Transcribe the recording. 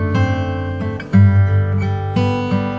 terima kasih ya mas